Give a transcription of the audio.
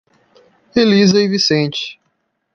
Elisa e Vicente